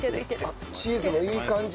あっチーズがいい感じ。